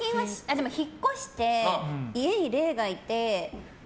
でも引っ越して、家に霊がいて。